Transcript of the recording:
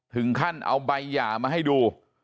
ถึงขั้นเอาใบหย่ามาให้ดู